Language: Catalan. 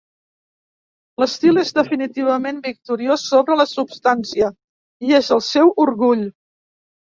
L'estil és definitivament victoriós sobre la substància, i és el seu orgull.